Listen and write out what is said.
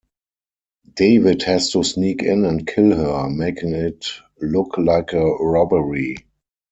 David has to sneak in and kill her, making it look like a robbery.